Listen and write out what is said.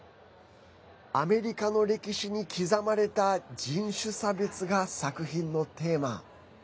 アメリカの歴史に刻まれた人種差別が作品のテーマ。